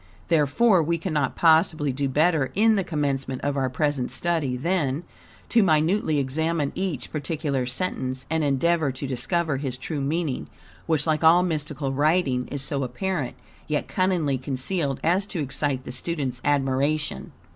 Therefore, we cannot possibly do better in the commencement of our present study than, to minutely examine each particular sentence and endeavor to discover his true meaning, which, like all mystical writing, is so apparent, yet cunningly concealed, as to excite the student's admiration.